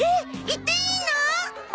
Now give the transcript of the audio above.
行っていいの？